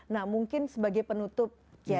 nah mungkin sebagai penutup